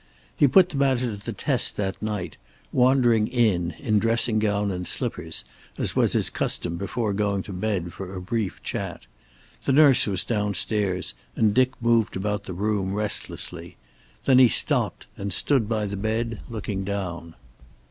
He put the matter to the test that night, wandering in in dressing gown and slippers, as was his custom before going to bed, for a brief chat. The nurse was downstairs, and Dick moved about the room restlessly. Then he stopped and stood by the bed, looking down.